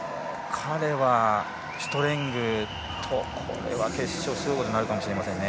彼はシュトレングと決勝すごいことになるかもしれませんね。